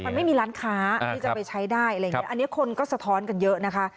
มันไม่มีร้านค้าที่จะไปใช้ได้อันนี้คนก็สะท้อนกันเยอะนะคะ